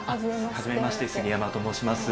はじめまして杉山と申します。